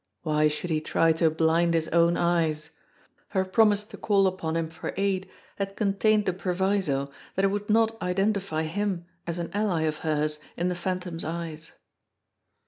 Why should he try to blind his own eyes ? Her promise to call upon him for aid had contained the proviso that it would not identify him as an aliy of hers in the Phantom's eyes.